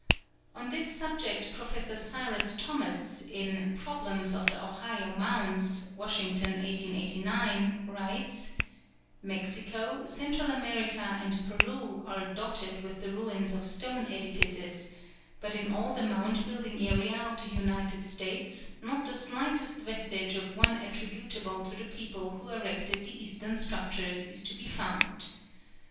On this subject Professor Cyrus Thomas, in Problems of the Ohio Mounds (Washington, 1889), writes: "Mexico, Central America and Peru are dotted with the ruins of stone edifices, but in all the mound building area of the United States not the slightest vestige of one attributable to the people who erected the eastern structures is to be found....